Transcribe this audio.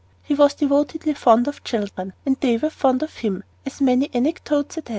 He was devotedly fond of children, and they were fond of him, as many anecdotes attest.